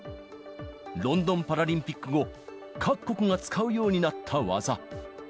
ロンドンパラリンピック後、各国が使うようになった技。